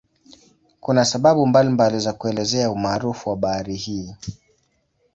Kuna sababu mbalimbali za kuelezea umaarufu wa bahari hii.